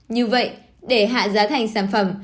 như vậy để hạ giá thành sản phẩm